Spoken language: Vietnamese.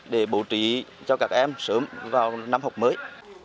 để bổ trí cho các em sớm vào năm học mới